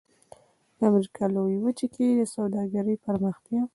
د امریکا لویې وچې کې د سوداګرۍ پراختیا.